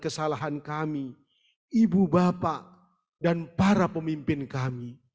kesalahan kami ibu bapak dan para pemimpin kami